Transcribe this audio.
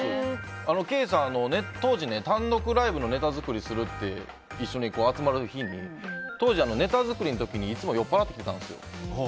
ケイさん、当時単独ライブのネタ作りするって一緒に集まる日に当時、ネタ作りの時にいつも酔っぱらって来てたんです。